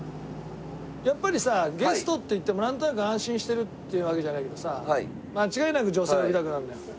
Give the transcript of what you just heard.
やっぱりさゲストっていってもなんとなく安心してるっていうわけじゃないけどさ間違いなく女性を呼びたくなるんだよ。